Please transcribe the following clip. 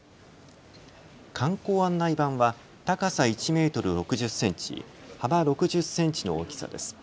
観光案内板は高さ１メートル６０センチ、幅６０センチの大きさです。